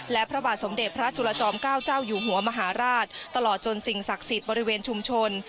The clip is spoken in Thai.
และพระบาทสมเด็จพระจุลจอมเก้าเจ้าอยู่หัวมหาราชตลอดจนสิ่งศักดิ์สิทธิ์บริเวณชุมชน